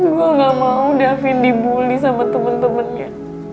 gue gak mau davin dibully sama temen temennya